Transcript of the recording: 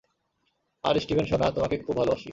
আর, Steven সোনা, তোমাকে খুব ভালোবাসি।